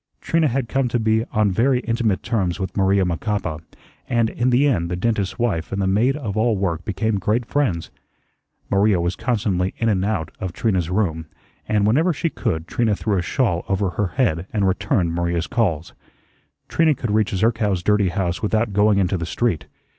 Trina had come to be on very intimate terms with Maria Macapa, and in the end the dentist's wife and the maid of all work became great friends. Maria was constantly in and out of Trina's room, and, whenever she could, Trina threw a shawl over her head and returned Maria's calls. Trina could reach Zerkow's dirty house without going into the street.